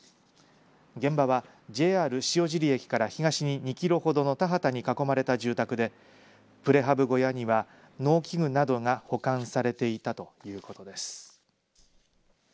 現場はＪＲ塩尻駅から東に２キロほどの田畑に囲まれた住宅でプレハブ小屋には農機具などが保管されていたということです。